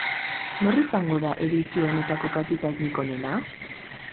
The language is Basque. Nor izango da edizio honetako kapitainik onena?